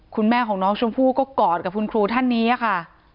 คุณแม่ของน้องชมพู่ก็กอดกับคุณครูท่านนี้ค่ะ